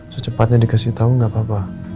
secepatnya dikasih tahu nggak apa apa